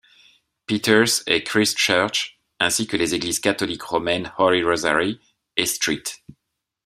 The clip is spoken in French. Peter's et Christ Church ainsi que les églises catholiques romaines Holy Rosary et St.